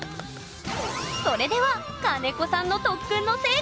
それでは金子さんの特訓の成果